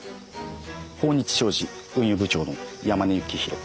豊日商事運輸部長の山根幸博。